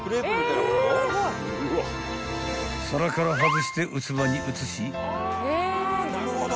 ［皿から外して器に移し］